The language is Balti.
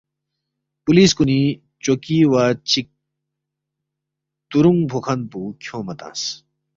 پولِیس کُنی چوکی وا چِک تُرُونگ فُوکھن پو کھیونگما تنگس